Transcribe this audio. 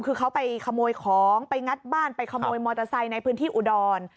คือเขาไปขโมยของไปงัดบ้านไปขโมยมอเตอร์ไซค์ในพื้นที่อุดร